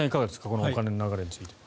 このお金の流れについて。